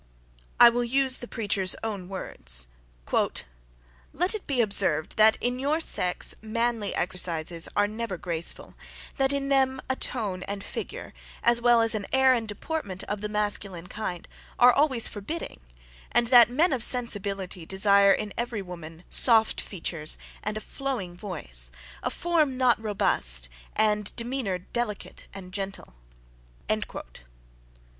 I will use the preacher's own words. "Let it be observed, that in your sex manly exercises are never graceful; that in them a tone and figure, as well as an air and deportment, of the masculine kind, are always forbidding; and that men of sensibility desire in every woman soft features, and a flowing voice, a form not robust, and demeanour delicate and gentle."